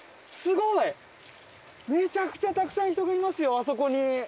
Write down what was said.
めちゃくちゃたくさん人がいますよあそこに。